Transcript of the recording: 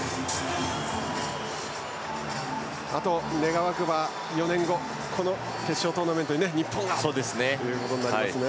あと願わくば４年後この決勝トーナメントに日本が、ということになりますね。